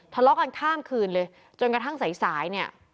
ทะเลาะกันข้ามคืนเลยจนกระทั่งสายสายเนี่ย